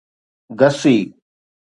گسي